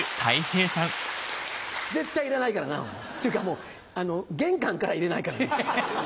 絶対入れないからなっていうかもう玄関から入れないから。